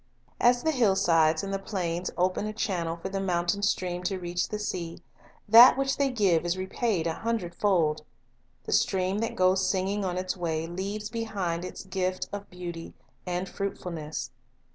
As the hillsides and the plains open a channel for the mountain stream to reach the sea, that which they give is repaid a hundredfold. The stream that goes singing on its way leaves behind its gift of beauty and fruitful ness.